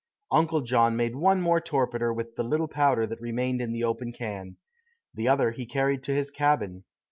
Uncle John made one more "torpeter" with the little powder that remained in the open can. The other he carried to his cabin.